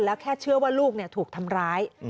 แล้วแค่เชื่อว่าลูกถูกทำร้าย